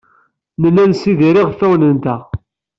Nella nessidir iɣfawen-nteɣ.